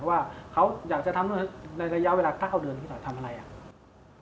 ว่าเขาอยากจะทำเรื่อยยาวเวลา๙เดือนพี่ตอยทำอะไรอ่ะ